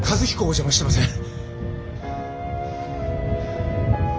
お邪魔してません？